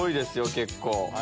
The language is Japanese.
結構。